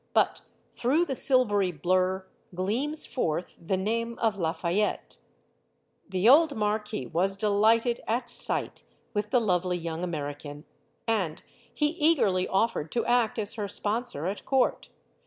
But through the silvery blur gleams forth the name of Lafayette, The old marquis MADAME JUMEL 97 was delighted, at sight, with the lovely young Ameri can; and he eagerly offered to act as her sponsor at court.